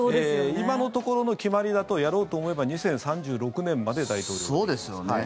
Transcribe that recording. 今のところの決まりだとやろうと思えば２０３６年まで大統領ができます。